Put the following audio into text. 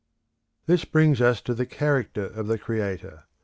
This brings us to the character of the Creator.